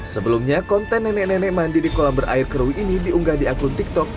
sebelumnya konten nenek nenek mandi di kolam berair kerui ini diunggah di akun tiktok